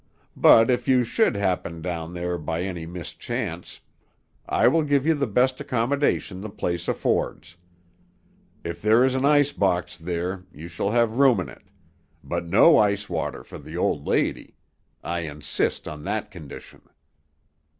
But if you should happen down there by any mischance, I will give you the best accommodations the place affords. If there is an ice box there, you shall have a room in it; but no ice water for the old lady. I insist on that condition."